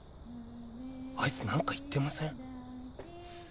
あいつ何か言ってません？